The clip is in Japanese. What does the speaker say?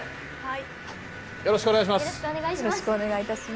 よろしくお願いします。